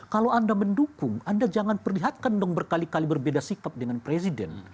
kalau anda mendukung anda jangan perlihatkan dong berkali kali berbeda sikap dengan presiden